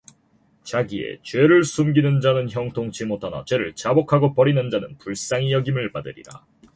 자기의 죄를 숨기는 자는 형통치 못하나 죄를 자복하고 버리는 자는 불쌍히 여김을 받으리라